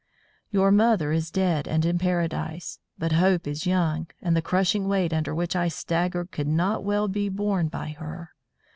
Your mother is dead and in Paradise, but Hope is young and the crushing weight under which I staggered could not well be borne by her.